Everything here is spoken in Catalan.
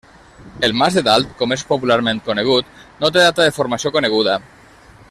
El mas de Dalt, com és popularment conegut, no té data de formació coneguda.